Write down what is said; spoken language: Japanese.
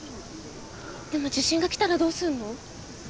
でも地震が来たらどうするの？